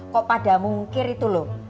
kok pada mungkir itu loh